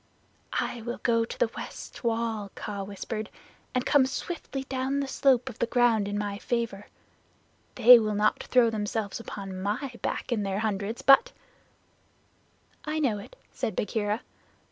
"I will go to the west wall," Kaa whispered, "and come down swiftly with the slope of the ground in my favor. They will not throw themselves upon my back in their hundreds, but " "I know it," said Bagheera.